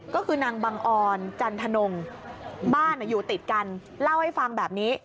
ก็คือนางบังออนจันทนงบ้านอยู่ติดกันเล่าให้ฟังแบบนี้